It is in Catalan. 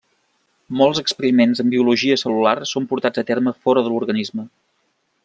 Molts experiments en biologia cel·lular són portats a terme fora de l'organisme.